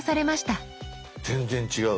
全然違う！